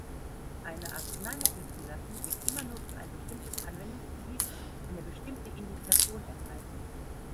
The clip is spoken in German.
Eine Arzneimittelzulassung wird immer nur für ein bestimmtes Anwendungsgebiet, eine bestimmte Indikation erteilt.